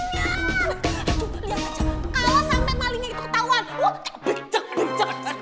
kalau sampai malingnya itu ketahuan wah becek becek